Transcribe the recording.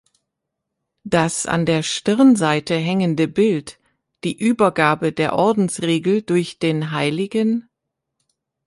Das an der Stirnseite hängende Bild, die Übergabe der Ordensregel durch den hl.